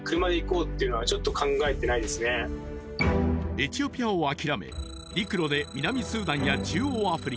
エチオピアを諦め陸路で南スーダンや中央アフリカ